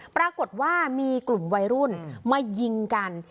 ปรากฏว่ามีกลุ่มวัยรุ่นมายิงกัน